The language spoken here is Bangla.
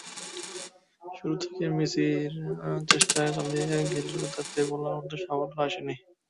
শুরু থেকেই মিসর চেষ্টা চালিয়ে গেলেও তাতে বলার মতো সাফল্য আসেনি।